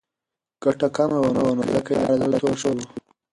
ګټه کمه وه نو ځکه یې له کاره زړه توری شو.